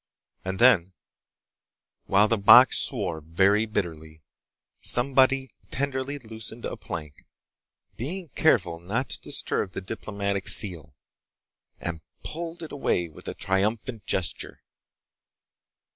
And then, while the box swore very bitterly, somebody tenderly loosened a plank—being careful not to disturb the diplomatic seal—and pulled it away with a triumphant gesture.